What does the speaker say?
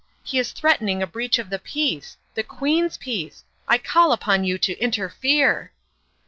He is threatening a breach of the Peace the Queen's Peace ! I call upon you to interfere